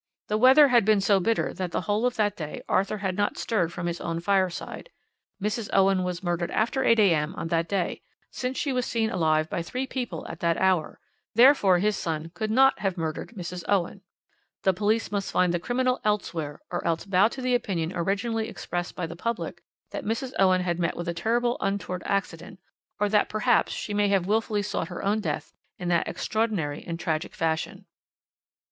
"The weather had been so bitter that the whole of that day Arthur had not stirred from his own fireside. Mrs. Owen was murdered after 8 a.m. on that day, since she was seen alive by three people at that hour, therefore his son could not have murdered Mrs. Owen. The police must find the criminal elsewhere, or else bow to the opinion originally expressed by the public that Mrs. Owen had met with a terrible untoward accident, or that perhaps she may have wilfully sought her own death in that extraordinary and tragic fashion.